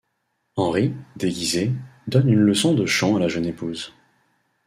Henry, déguisé, donne une leçon de chant à la jeune épouse.